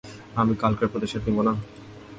আমি কালকের প্রতিশোধ নিবো না?